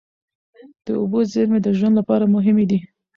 د اوبو زېرمې د ژوند لپاره مهمې دي.